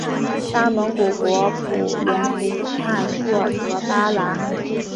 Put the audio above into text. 大蒙古国普颜笃汗硕德八剌。